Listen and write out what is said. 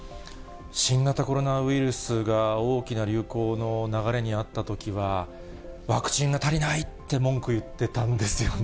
新型コロナウイルスが大きな流行の流れにあったときは、ワクチンが足りないって文句言ってたんですよね。